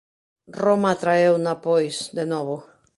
Roma atraeuna, pois, de novo.